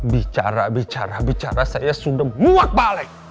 bicara bicara bicara saya sudah muak pak alek